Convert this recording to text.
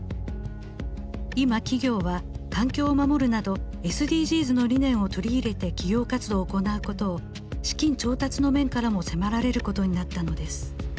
今企業は環境を守るなどＳＤＧｓの理念を取り入れて企業活動を行うことを資金調達の面からも迫られることになったのです。